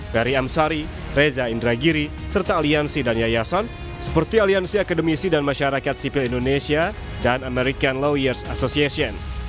ferry amsari reza indragiri serta aliansi dan yayasan seperti aliansi akademisi dan masyarakat sipil indonesia dan american lawyers association